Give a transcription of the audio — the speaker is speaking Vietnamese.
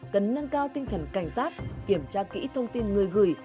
cần nâng cao tinh thần cảnh giác kiểm tra kỹ thông tin người gửi